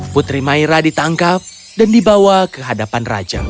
putri maira ditangkap dan dibawa ke hadapan raja